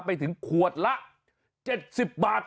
ไปถึงขวดละ๗๐บาท